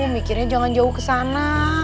mikirnya jangan jauh kesana